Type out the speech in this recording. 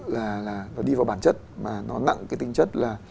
là đi vào bản chất mà nó nặng cái tính chất là